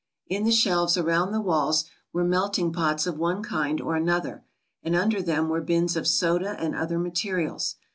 In the shelves around the walls were melting pots of one kind or another, and under them were bins of soda and other materials.